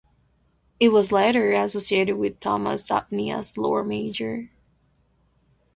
It was later associated with Thomas Abney as Lord Mayor.